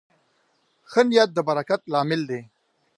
ښه نیت د برکت لامل دی.